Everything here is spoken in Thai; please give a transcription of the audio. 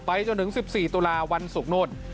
จนถึง๑๔ตุลาวันศุกร์โน่น